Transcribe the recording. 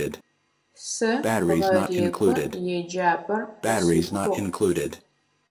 Сэ гъэрекӏо еджапӏэр къэсыухыгъ.